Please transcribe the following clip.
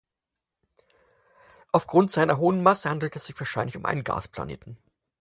Auf Grund seiner hohen Masse handelt es sich wahrscheinlich um einen Gasplaneten.